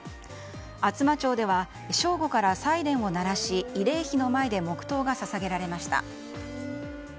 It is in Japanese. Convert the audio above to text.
厚真町では正午からサイレンを鳴らし慰霊碑の前で黙祷が捧げられました。